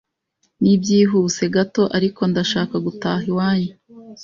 Nibyihuse gato ariko ndashaka gutaha iwanyu